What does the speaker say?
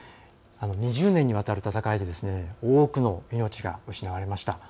２０年にわたる戦いで多くの命が失われました。